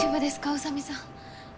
宇佐美さん。